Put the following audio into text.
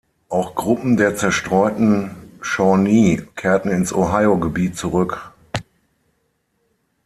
Auch Gruppen der zerstreuten Shawnee kehrten ins Ohiogebiet zurück.